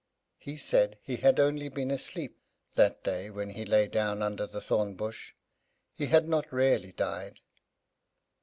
He said he had only been asleep that day when he lay down under the thorn bush; he had not really died.